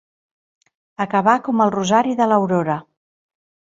Acabar com el rosari de l'aurora.